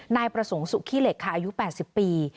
นายประสงสุฆิเล็กค่ะอายุ๘๐ปี